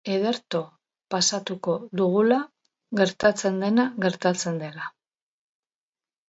Ederto pasatuko dugula, gertatzen dena gertatzen dela.